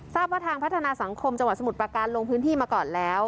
ว่าทางพัฒนาสังคมจังหวัดสมุทรประการลงพื้นที่มาก่อนแล้ว